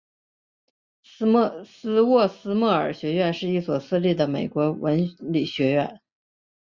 斯沃斯莫尔学院是一所私立的美国文理学院。